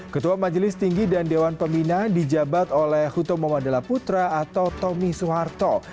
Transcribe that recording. ketua majelis tinggi dan dewan pemina dijabat oleh hutomu madala putra atau tommy suwarto